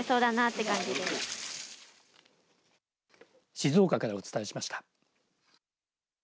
静岡からお伝えしました。